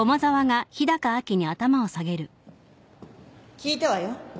聞いたわよ。